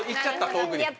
遠くに。